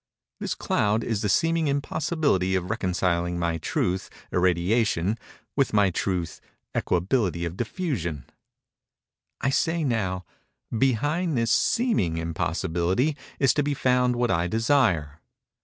This cloud is the seeming impossibility of reconciling my truth, irradiation, with my truth, equability of diffusion. I say now:—"Behind this seeming impossibility is to be found what I desire."